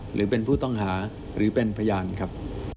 หรือเป็นผู้ต้องหาหรือเป็นพยานครับ